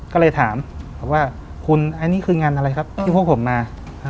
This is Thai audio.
ก็เลยถามว่าคุณอันนี้คืองานอะไรครับที่พวกผมมา